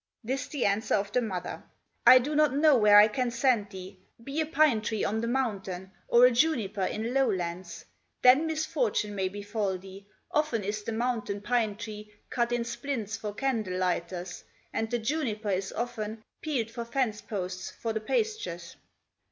This the answer of the mother: "I do not know where I can send thee; Be a pine tree on the mountain, Or a juniper in lowlands? Then misfortune may befall thee; Often is the mountain pine tree Cut in splints for candle lighters; And the juniper is often Peeled for fence posts for the pastures.